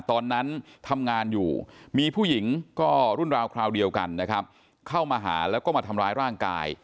ตอนนั้นทำงานอยู่มีผู้หญิงก็รุ่นราวคราวเดียวกันนะครับเข้ามาหาแล้วก็มาทำร้ายร่างกาย